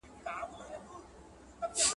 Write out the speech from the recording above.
عقیده او ملت باید د شعارونو قرباني نه سي.